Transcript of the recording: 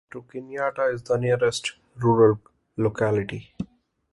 Trukhinyata is the nearest rural locality.